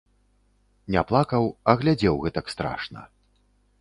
Не плакаў, а глядзеў гэтак страшна.